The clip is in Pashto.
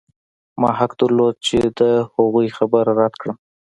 ما حق درلود چې د هغوی خبره رد کړم